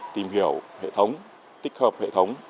tìm hiểu hệ thống tích hợp hệ thống